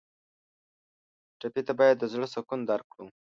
ټپي ته باید د زړه سکون درکړو.